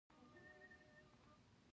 بودیجه په دوه ډوله ویشل شوې ده.